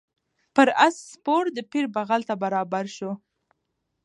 پر آس سپور د پیر بغل ته برابر سو